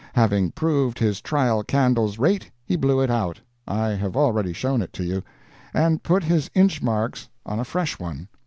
Having proved his trial candle's rate, he blew it out I have already shown it to you and put his inch marks on a fresh one.